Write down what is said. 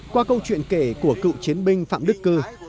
qua câu chuyện kể của cựu chiến binh phạm đức cư